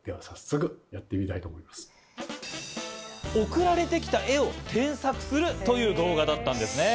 送られてきた絵を添削するという動画だったんですね。